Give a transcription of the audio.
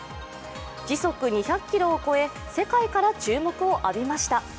時速２００キロを超え、世界から注目を浴びました。